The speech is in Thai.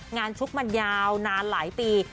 ชุกมันยาวนานหลายปี